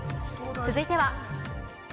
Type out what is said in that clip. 続いては。